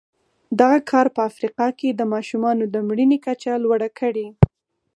دغه کار په افریقا کې د ماشومانو د مړینې کچه لوړه کړې.